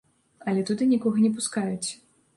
Але туды нікога не пускаюць.